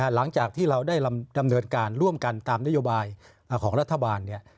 หลังจากที่เราได้ดำเนินการร่วมกันตามนโยบายของรัฐบาล